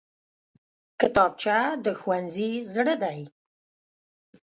کتابچه د ښوونځي زړه دی